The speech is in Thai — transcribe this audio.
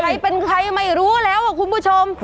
ใครเป็นใครไม่รู้แล้วคุณผู้ชม